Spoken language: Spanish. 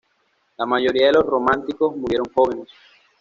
La mayoría de los románticos murieron jóvenes.